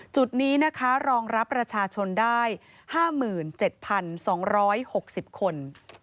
จุดนี้นะคะรองรับประชาชนได้๕๗๒๖๐คน